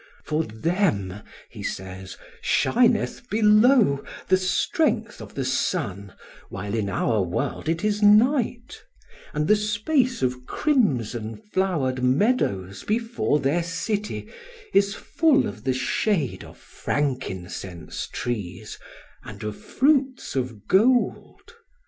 "For them," he says, "shineth below the strength of the sun while in our world it is night, and the space of crimson flowered meadows before their city is full of the shade of frankincense trees, and of fruits of gold.